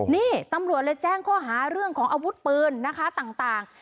นี่ตำรวจเลยแจ้งข้อหาเรื่องของอาวุธปืนนะคะต่าง